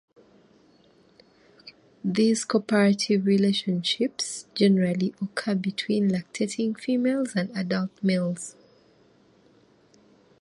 These cooperative relationships generally occur between lactating females and adult males.